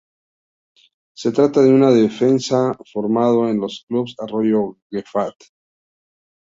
Se trata de un defensa formado en los clubes Arroyo y Getafe.